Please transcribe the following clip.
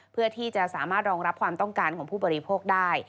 เพื่อที่จะสามารถรองรับความต้องการของผู้บริโภคได้